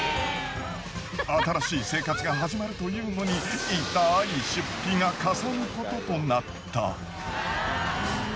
新しい生活が始まるというのに痛い出費がかさむこととなった。